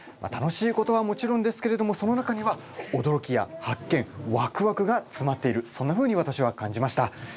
楽しいことはもちろんですけれどもその中にはおどろきや発見わくわくがつまっているそんなふうにわたしは感じました。